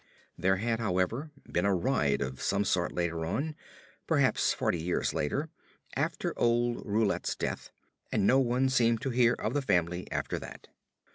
There had, however, been a riot of some sort later on perhaps forty years later, after old Roulet's death and no one seemed to hear of the family after that.